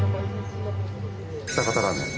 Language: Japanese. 喜多方ラーメン。